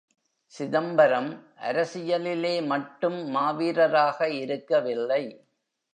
சிதம்பரம் அரசியலிலே மட்டும் மாவீரராக இருக்கவில்லை.